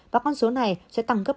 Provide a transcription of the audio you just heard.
và con số này sẽ tăng gấp